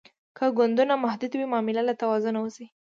که ګوندونه محدود وي معامله له توازن وځي